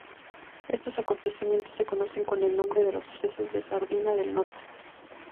Estos acontecimientos se conocen con el nombre de los Sucesos de Sardina del Norte.